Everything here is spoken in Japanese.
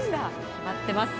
決まってます。